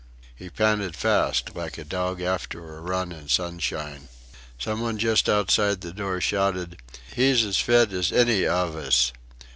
He panted fast like a dog after a run in sunshine. Some one just outside the door shouted, "He's as fit as any ov us!"